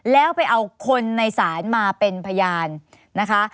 แล้วไปเอาคนในศาลมาเป็นพยานนะคะ